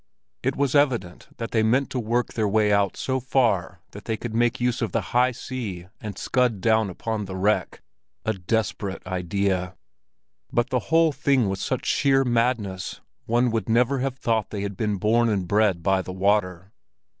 It was evident that they meant to work their way out so far that they could make use of the high sea and scud down upon the wreck—a desperate idea! But the whole thing was such sheer madness, one would never have thought they had been born and bred by the water.